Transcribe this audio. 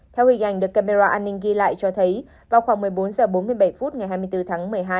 theo hình ảnh được camera an ninh ghi lại cho thấy vào khoảng một mươi bốn h bốn mươi bảy phút ngày hai mươi bốn tháng một mươi hai